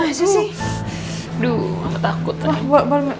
aduh aku takut